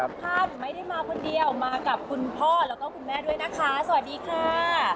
สวัสดีค่ะถึงไม่ได้มาคนเดียวมากับคุณพ่อและคุณแม่ด้วยนะคะสวัสดีค่ะ